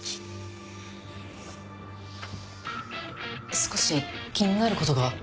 少し気になることが。